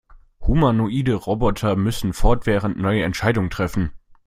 Humanoide Roboter müssen fortwährend neue Entscheidungen treffen.